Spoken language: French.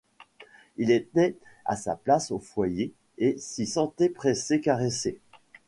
Il était à sa place, au foyer, et s’y sentait pressé, caressé.